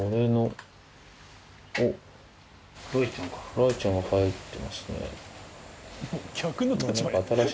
雷ちゃんが入ってますね。